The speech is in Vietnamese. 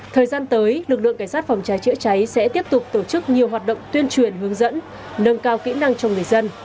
thời gian tới lực lượng cảnh sát phòng cháy chữa cháy sẽ tiếp tục tổ chức nhiều hoạt động tuyên truyền hướng dẫn nâng cao kỹ năng cho người dân